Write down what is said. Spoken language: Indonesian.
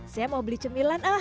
saya mau beli cemilan ah